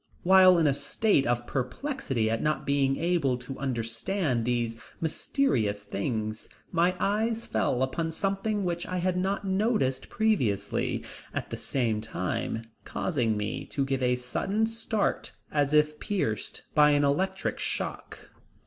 While in a state of perplexity at not being able to understand these mysterious things, my eyes fell upon something which I had not noticed previously, at the same time causing me to give a sudden start as if pierced by an electric shock.